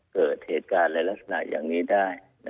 เกิดเหตุการณ์และเลขสนัขอย่างนี้ได้